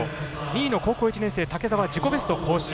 ２位の高校１年生の竹澤は自己ベスト更新。